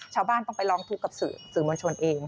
ชาวบ้านต้องไปร้องทุกข์กับสื่อมวลชนเอง